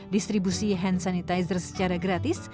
distribusi hand sanitizer secara gratis